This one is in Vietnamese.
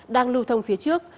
đang lưu thông phía trước